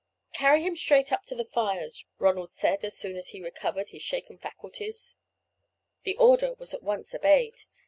"Carry him straight up to the fires," Ronald said as soon as he recovered his shaken faculties. The order was at once obeyed.